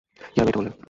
কীভাবে এটা বললে?